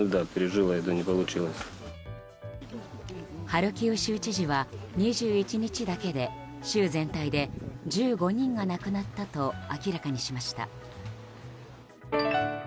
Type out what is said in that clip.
ハルキウ州知事は２１日だけで州全体で１５人が亡くなったと明らかにしました。